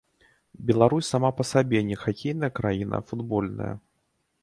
Беларусь сама па сабе не хакейная краіна, а футбольная.